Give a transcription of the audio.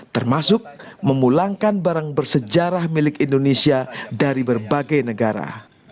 termasuk memulangkan barang bersejarah milik indonesia dari berbagai negara